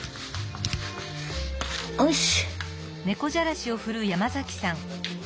よし！